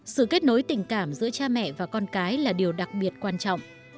sự kết nối tình cảm giữa cha mẹ và con cái là điều đặc biệt quan trọng